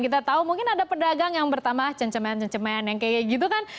kita tahu mungkin ada pedagang yang bertambah cencemen cencemen yang kayak gitu kan